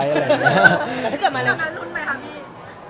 เกิดมาแล้วไหมรุนไหมครับพี่